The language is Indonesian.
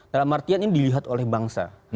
dalam artian ini dilihat oleh bangsa